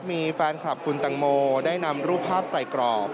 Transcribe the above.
มีแฟนคลับคุณตังโมได้นำรูปภาพใส่กรอบ